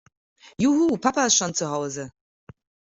Juhu, Papa ist schon zu Hause!